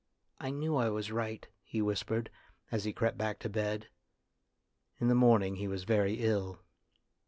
" I knew I was right," he whis pered, as he crept back to bed. In the morning he was very ill.